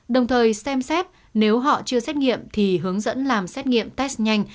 đồng thời xem xét nếu họ chưa xét nghiệm thì hướng dẫn làm xét nghiệm test nhanh